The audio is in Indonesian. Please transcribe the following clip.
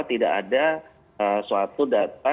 tidak ada suatu data